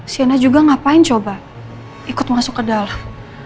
siana juga ngapain coba ikut masuk ke dalam